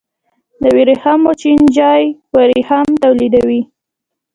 د ورېښمو چینجی ورېښم تولیدوي